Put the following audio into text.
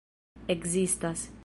ekzistas